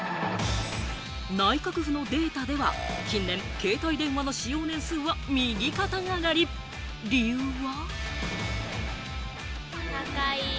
内閣府のデータでは、近年、携帯電話の使用年数は右肩上がり、理由は？